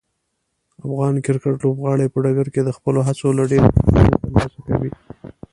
افغان کرکټ لوبغاړي په ډګر کې د خپلو هڅو لپاره ډیرې ستاینې ترلاسه کوي.